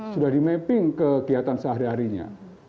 sudah di mapping kegiatan sehari harinya